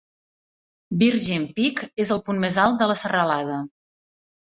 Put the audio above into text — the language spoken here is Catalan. Virgin Peak és el punt més alt de la serralada.